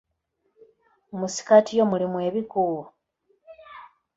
Mu ssikaati yo mulimu ebikuubo?